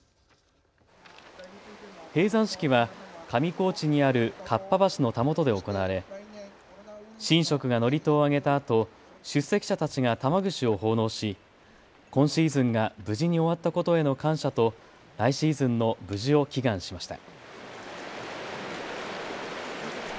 閉山式は上高地にある河童橋のたもとで行われ神職が祝詞を上げたあと出席者たちが玉串を奉納し、今シーズンが無事に終わったことへの感謝と来シーズンの無事を祈願しました。